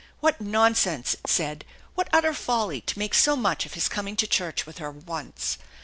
What nonsense, it said, what utter folly, to make so much of his coming to church with her once!